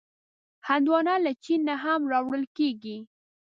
هندوانه له چین نه هم راوړل کېږي.